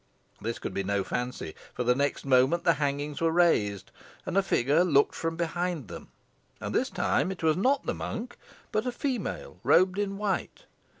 This could be no fancy, for the next moment the hangings were raised, and a figure looked from behind them; and this time it was not the monk, but a female robed in white.